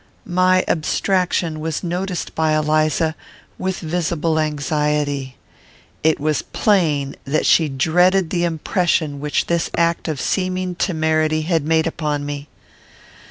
My abstraction was noticed by Eliza with visible anxiety. It was plain that she dreaded the impression which this act of seeming temerity had made upon me.